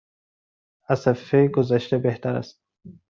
از دفعه گذشته بهتر است.